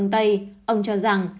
ngoài ra ông cho rằng